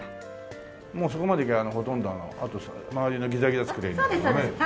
もうそこまでいけばほとんどあと周りのギザギザ作ればいいんだもんね。